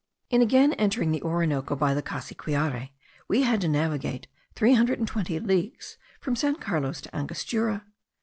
In again entering the Orinoco by the Cassiquiare we had to navigate three hundred and twenty leagues, from San Carlos to Angostura.